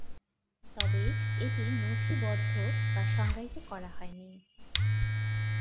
তবে এটি নথিবদ্ধ বা সংজ্ঞায়িত করা হয়নি।